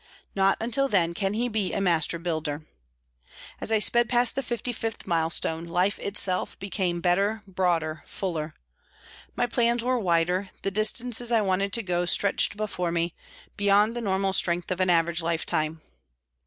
Not until then can he be a master builder. As I sped past the fifty fifth milestone life itself became better, broader, fuller. My plans were wider, the distances I wanted to go stretched before me, beyond the normal strength of an average lifetime.